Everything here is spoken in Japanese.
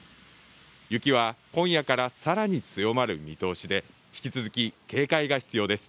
雪は今夜からさらに強まる見通しで引き続き警戒が必要です。